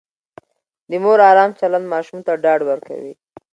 د مور ارام چلند ماشوم ته ډاډ ورکوي.